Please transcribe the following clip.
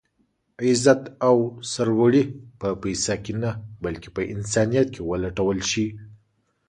عزت او سر لوړي په پيسه کې نه بلکې په انسانيت کې ولټول شي.